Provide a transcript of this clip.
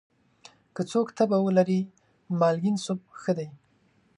که څوک تبه ولري، مالګین سوپ ښه دی.